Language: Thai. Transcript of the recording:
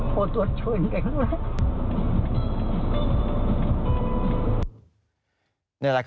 โคตรช่วยเย็น